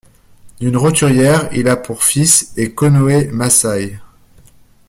D'une roturière il a pour fils et Konoe Masaie.